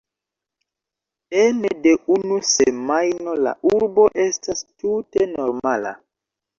Ene de unu semajno la urbo estas tute normala